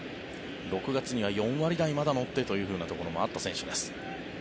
６月には４割台まで乗ってというところもあった選手です。